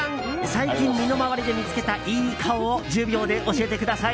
最近、身の回りで見つけたいい顔を１０秒で教えてください。